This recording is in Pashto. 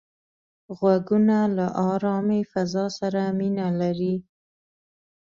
غوږونه له آرامې فضا سره مینه لري